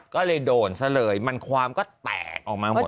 ก็เลยโดนซะเลยมันความก็แตกออกมาหมด